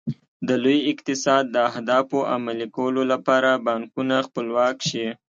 د لوی اقتصاد د اهدافو عملي کولو لپاره بانکونه خپلواک شي.